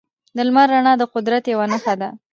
د لمر رڼا د قدرت یوه نښه ده.